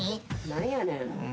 何やねん。